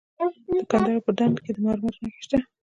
د کندهار په ډنډ کې د مرمرو نښې شته.